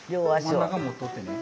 真ん中持っとってね。